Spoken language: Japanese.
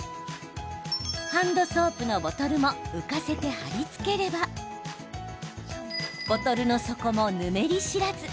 ハンドソープのボトルも浮かせて貼りつければボトルの底も、ぬめり知らず。